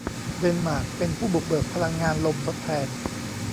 เดนมาร์กเป็นผู้บุกเบิกพลังงานลมทดแทน